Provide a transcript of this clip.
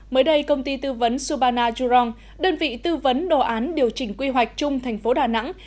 mới đây công ty tư vấn subana jurong đơn vị tư vấn đồ án điều chỉnh quy hoạch chung thành phố đà nẵng